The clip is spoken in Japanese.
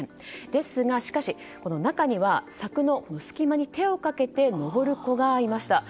ですが、中には柵の隙間に手をかけて上る子がいました。